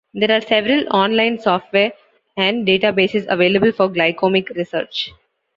There are several on-line software and databases available for glycomic research.